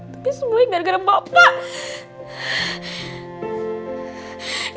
tapi semuanya gara gara bapak